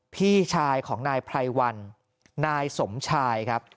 พี่ชายของนายไพรวันนายสมชายครับ